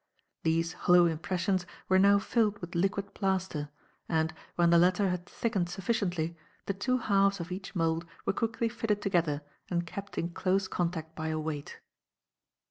These hollow impressions were now filled with liquid plaster, and, when the latter had thickened sufficiently, the two halves of each mould were quickly fitted together and kept in close contact by a weight.